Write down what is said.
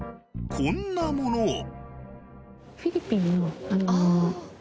こんなものを。